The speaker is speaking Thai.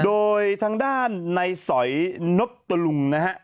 โดยทางด้านในสอยนพตลุงนะฮะ